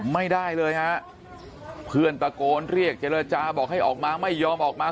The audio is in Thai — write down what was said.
ไม่ได้เลยฮะเพื่อนตะโกนเรียกเจรจาบอกให้ออกมาไม่ยอมออกมา